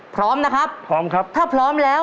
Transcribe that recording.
พร้อมนะครับพร้อมครับถ้าพร้อมแล้ว